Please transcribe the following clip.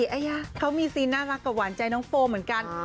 อัยยะเขามีซีนดีมากกว่าว่าหวานใจน้องโฟเหมือนกัน